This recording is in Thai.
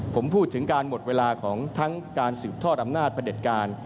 ผมพูดถึงการหมดเวลาของทั้งการสืบทอดอำนาจประเด็จการ